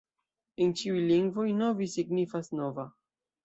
En ĉiuj lingvoj Novi signifas: nova.